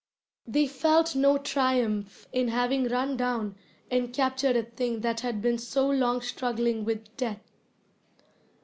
They felt no triumph in having run down and captured a thing that had been so long struggling with death.